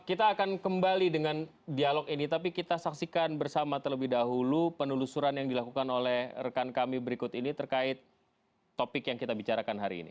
kita akan kembali dengan dialog ini tapi kita saksikan bersama terlebih dahulu penelusuran yang dilakukan oleh rekan kami berikut ini terkait topik yang kita bicarakan hari ini